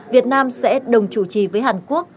việt nam sẽ đồng chủ trì với hàn quốc